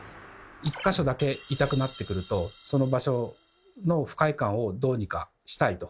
１か所だけ痛くなってくるとその場所の不快感をどうにかしたいと。